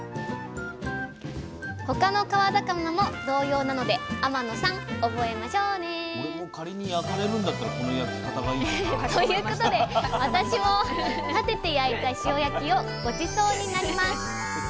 他の川魚も同様なので天野さん覚えましょうね！ということで私も立てて焼いた塩焼きをごちそうになります。